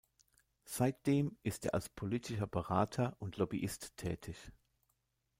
Seitdem ist er als politischer Berater und Lobbyist tätig.